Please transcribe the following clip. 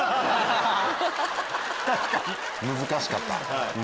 難しかった。